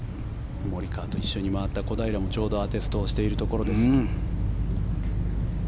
モリカワと一緒に回った小平もちょうどアテストをしています。